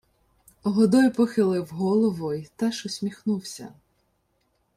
Годой похилив голову й теж усміхнувся.